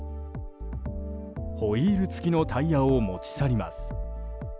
ホイール付きのタイヤを持ち去ります。